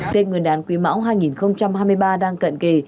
tên người đàn quý mão hai nghìn hai mươi ba đang cận kề